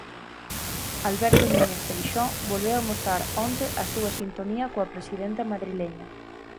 Alberto Núñez Feixóo volveu amosar onte a súa sintonía coa presidenta madrileña.